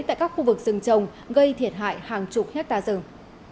tại các khu vực rừng trồng gây thiệt hại hàng chục hectare rừng